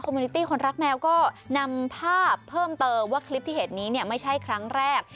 มินิตี้คนรักแมวก็นำภาพเพิ่มเติมว่าคลิปที่เห็นนี้เนี่ยไม่ใช่ครั้งแรก